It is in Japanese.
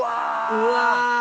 うわ！